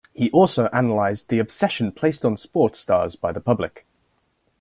He also analyzed the obsession placed on sports stars by the public.